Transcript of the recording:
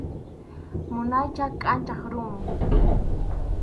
Munaycha kʼanchaq rumi.